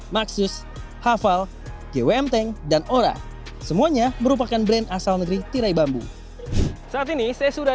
maxus hafal gwm tank dan ora semuanya merupakan brand asal negeri tirai bambu saat ini saya sudah